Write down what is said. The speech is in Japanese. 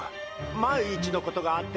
万一のことがあっては。